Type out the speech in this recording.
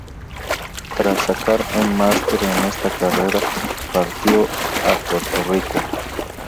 Tras sacar un máster en esta carrera partió a Puerto Rico.